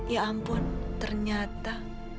ya ampun ternyata